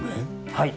はい。